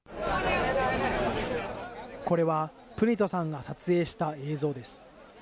これは、プニトさんが撮影した映像です。